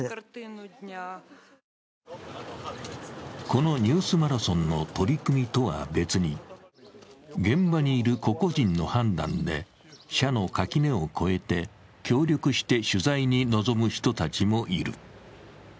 この「ニュースマラソン」の取り組みとは別に現場にいる個々人の判断で社の垣根を越えて協力して取材に臨む人たちもいる。